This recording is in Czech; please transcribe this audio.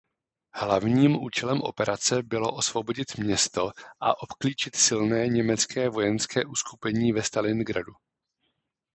Hlavním účelem operace bylo osvobodit město a obklíčit silné německé vojenské uskupení ve Stalingradu.